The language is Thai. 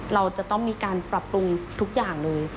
เราจะต้องมีการปรับปรุงทุกอย่างเลย